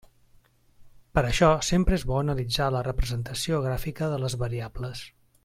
Per això sempre és bo analitzar la representació gràfica de les variables.